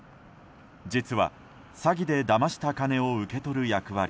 実は、詐欺でだました金を受け取る役割